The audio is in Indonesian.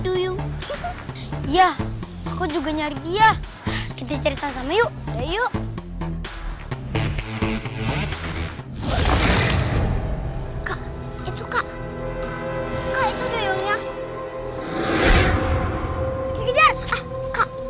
duyung iya aku juga nyari ya kita cerita sama yuk yuk itu kak kak itu duyungnya